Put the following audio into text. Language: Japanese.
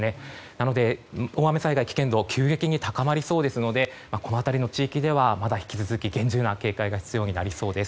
なので、大雨災害の危険度は急激に高まりそうなのでこの辺りの地域ではまだ引き続き厳重な警戒が必要になりそうです。